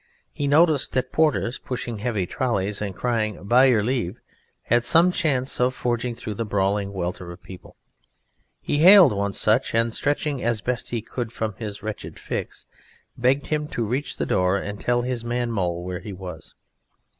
He noticed that porters pushing heavy trollies and crying "By your leave" had some chance of forging through the brawling welter of people. He hailed one such; and stretching, as best he could, from his wretched fix, begged him to reach the door and tell his man Mole where he was.